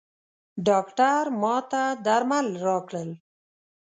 ډاکټر ماته درمل راکړل.